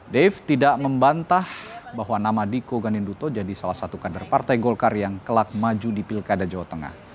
dave tidak membantah bahwa nama diko ganinduto jadi salah satu kader partai golkar yang kelak maju di pilkada jawa tengah